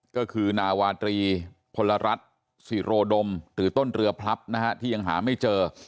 ก็คือนาวาตรีพลรัฐศิโรดมหรือต้นเรือพลับนะฮะที่ยังหาไม่เจอ